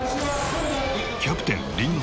キャプテン倫之